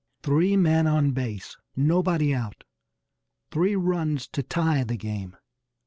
Three men on base nobody out three runs to tie the game!